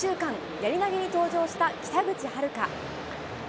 やり投げに登場した北口榛花。